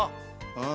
うん。